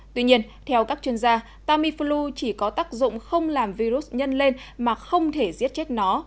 tuy nhiên theo các chuyên gia tamiflu chỉ có tác dụng không làm virus nhân lên mà không thể giết chết nó